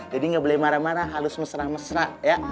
jadi gak boleh marah marah halus mesra mesra